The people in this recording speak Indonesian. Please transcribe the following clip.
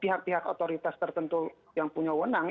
pihak pihak otoritas tertentu yang punya wonang